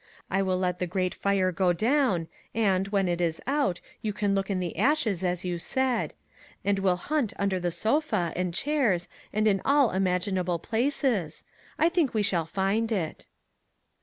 I will let the grate fire go down, and, when it is out, you can look in the ashes, as you said; and we'll "5 MAG AND MARGARET hunt under the sofa, and chairs, and in all imaginable places. I think we shall find it."